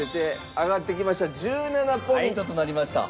１７ポイントとなりました。